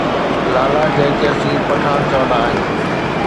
لالا جنهن کي اسين پٺاڻ چوندا آهيون.